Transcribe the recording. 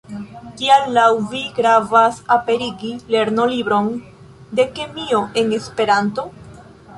Kial laŭ vi gravas aperigi lernolibron de kemio en Esperanto?